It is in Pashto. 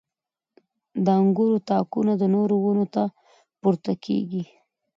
• د انګورو تاکونه د نورو ونو ته پورته کېږي.